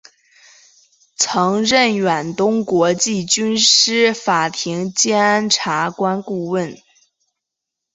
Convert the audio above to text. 曾任远东国际军事法庭检察官顾问。